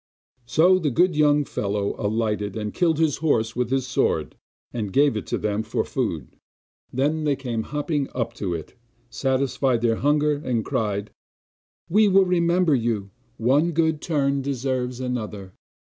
So the good young fellow alighted and killed his horse with his sword, and gave it to them for food. Then they came hopping up to it, satisfied their hunger, and cried: 'We will remember you one good turn deserves another!